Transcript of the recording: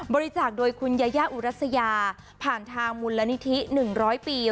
บริจาคโดยคุณยายาอุรัสยาผ่านทางมูลนิธิ๑๐๐ปี